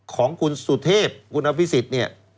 ของคุณสุเทพคุณอภิสิทธิ์เนี่ย